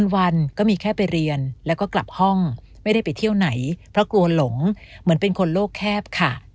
วันก็มีแค่ไปเรียนแล้วก็กลับห้องไม่ได้ไปเที่ยวไหนเพราะกลัวหลงเหมือนเป็นคนโลกแคบค่ะ